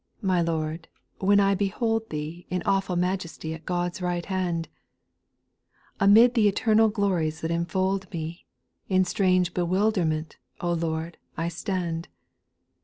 my Lord, when I be T Y hold Thee In awful majesty at God's right hand ; And 'mid tlr eternal glories that enfold me, In strange bewilderment, Lord, I stand.